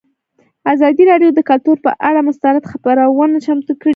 ازادي راډیو د کلتور پر اړه مستند خپرونه چمتو کړې.